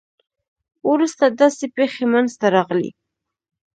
وروسته داسې پېښې منځته راغلې.